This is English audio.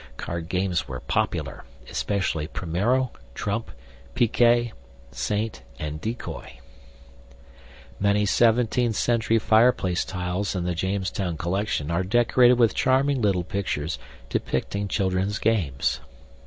Card games were popular, especially primero, trump, piquet, saint, and decoy. Many 17th century fireplace tiles in the Jamestown collection are decorated with charming little pictures depicting children's games.